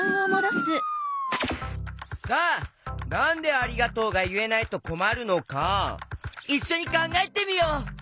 さあなんで「ありがとう」がいえないとこまるのかいっしょにかんがえてみよう！